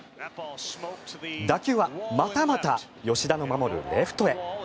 打球はまたまた吉田の守るレフトへ。